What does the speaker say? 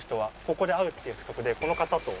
ここで会うって約束でこの方と。